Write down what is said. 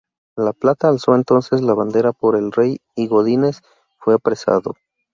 La Plata alzó entonces la bandera por el Rey y Godínez fue apresado.